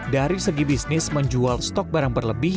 dari segi bisnis menjual stok barang berlebih